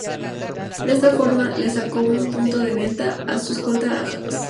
De esa forma le sacó un punto de ventaja a su escolta Ajax.